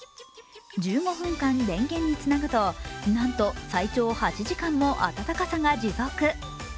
１５分間電源につなぐと、なんと最長８時間も温かさが持続。